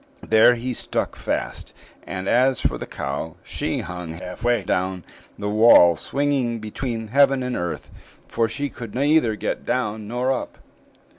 There he stuck fast; and as for the cow, she hung half way down the wall, swinging between heaven and earth, for she could neither get down nor up.